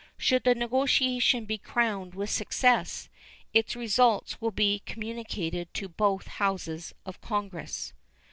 Should the negotiation be crowned with success, its results will be communicated to both Houses of Congress.